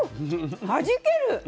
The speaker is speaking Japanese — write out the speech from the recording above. はじける！ね。